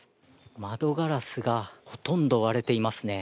窓ガラスがほとんど割れていますね。